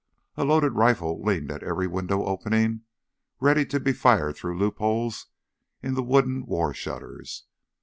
A loaded rifle leaned at every window opening, ready to be fired through loopholes in the wooden war shutters.